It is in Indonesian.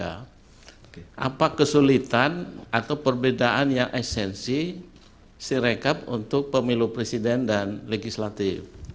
apa kesulitan atau perbedaan yang esensi sirekap untuk pemilu presiden dan legislatif